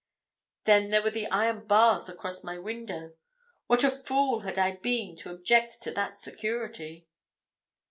Then there were the iron bars across my window. What a fool had I been to object to that security!